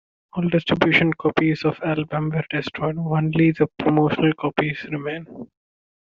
All distribution copies of the album were destroyed, and only the promotional copies remain.